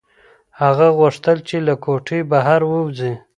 هغه غوښتل چې له کوټې بهر ووځي.